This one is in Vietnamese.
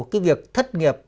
cái việc thất nghiệp